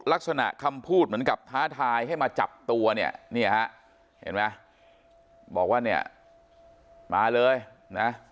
ลักษณะคำพูดเหมือนกับท้าทายให้มาจับตัวเนี่ยเนี่ยฮะเห็นไหมบอกว่าเนี่ยมาเลยนะ